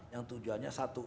yang tujuannya satu